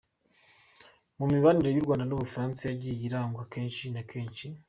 Mu mibanire y’u Rwanda n’Ubufransa yagiye irangwa kenshi na kenshi